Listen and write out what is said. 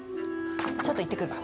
ちょっと行ってくるわ。